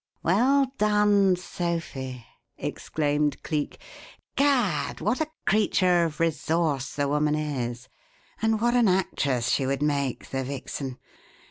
"Well done, Sophie!" exclaimed Cleek. "Gad! what a creature of resource the woman is, and what an actress she would make, the vixen!